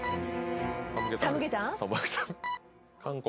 サムゲタン？